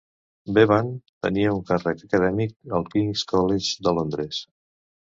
Bevan tenia un càrrec acadèmic al King's College de Londres.